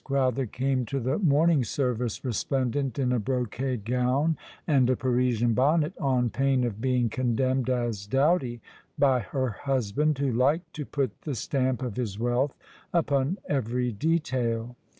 Crowther came to the morning service resplendent in a brocade gown and a Parisian bonnet, on pain of being con demned as dowdy by her hnsband, who liked to put the stamp of his woaltli upon every detail.